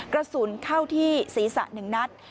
กระสุนเข้าที่ศีรษะ๑นัด